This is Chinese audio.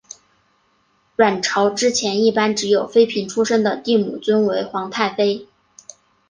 阮朝之前一般只有妃嫔出身的帝母尊为皇太妃。